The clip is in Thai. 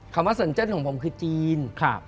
คำว่าสัญเจิ้นของผมคือจีน